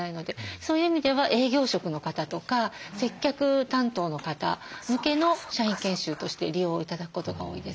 そういう意味では営業職の方とか接客担当の方向けの社員研修として利用頂くことが多いです。